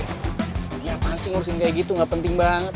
ya pancing urusin kayak gitu gak penting banget